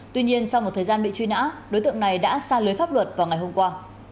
tuy nhiên sau một thời gian bị truy nã đối tượng này đã xa lưới pháp luật vào ngày hôm qua